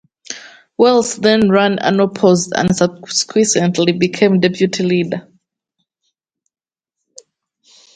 Willis then ran unopposed and subsequently became Deputy Leader.